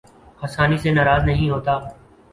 آسانی سے ناراض نہیں ہوتا